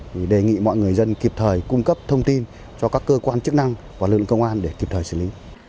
thì đề nghị mọi người dân kịp thời cung cấp thông tin cho các cơ quan chức năng và lực lượng công an để kịp thời xử lý